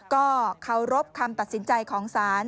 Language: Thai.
ก็เคารพคำตัดสินใจของศาล